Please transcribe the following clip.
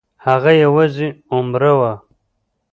هغه یوازې عمره وه.